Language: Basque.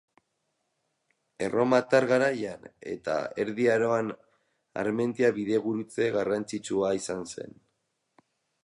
Erromatar garaian eta Erdi Aroan Armentia bidegurutze garrantzitsua izan zen.